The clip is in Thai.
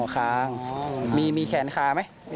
คางมีแขนขาไหม